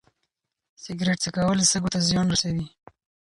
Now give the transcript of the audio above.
سګرټ څکول سږو ته زیان رسوي.